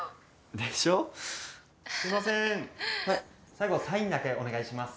最後サインだけお願いします。